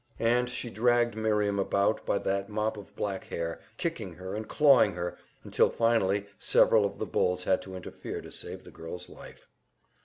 And she dragged Miriam about by that mop of black hair, kicking her and clawing her, until finally several of the bulls had to interfere to save the girl's life.